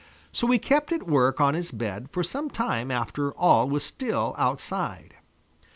So he kept at work on his bed for some time after all was still outside.